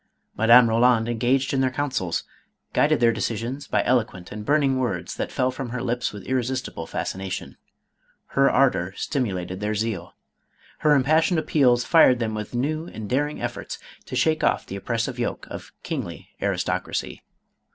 Madame Roland engaged iu their councils, guided their decisions by eloquent and burning words that fell from her lips with irresistible fascination; her ardor stimulated their zeal, her im passioned appeals fired them with new and daring tii'orts to shake off the oppressive yoke of kingly aris tocracy.